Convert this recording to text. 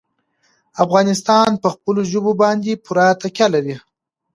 افغانستان په خپلو ژبو باندې پوره تکیه لري.